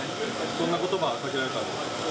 どんなことば、かけられたんですか？